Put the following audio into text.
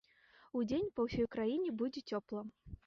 Удзень па ўсёй краіне будзе цёпла.